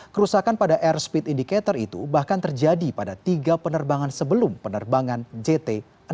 kerusakan pada airspeed indicator itu bahkan terjadi pada tiga penerbangan sebelum penerbangan jt enam ratus sepuluh